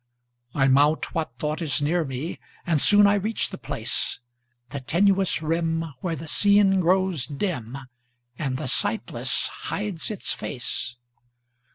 I mount what thought is near meAnd soon I reach the place, The tenuous rim where the Seen grows dimAnd the Sightless hides its face.